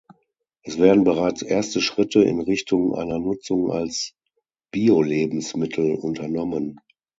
Es werden bereits erste Schritte in Richtung einer Nutzung als Biolebensmittel unternommen.